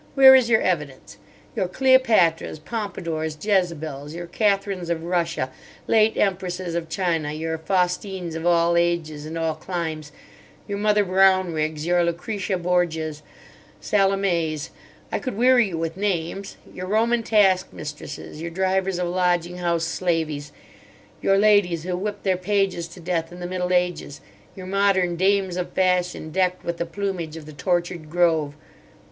Where is your evidence? Your Cleopatras, Pompadours, Jezebels; your Catherines of Russia, late Empresses of China; your Faustines of all ages and all climes; your Mother Brownriggs; your Lucretia Borgias, Salomes—I could weary you with names. Your Roman task mistresses; your drivers of lodging house slaveys; your ladies who whipped their pages to death in the Middle Ages; your modern dames of fashion, decked with the plumage of the tortured grove.